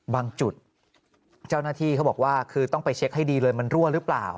บางจุดเจ้าหน้าที่เขาบอกว่าคือต้องไปเช็คให้ดีเลยมันรั่วหรือเปล่า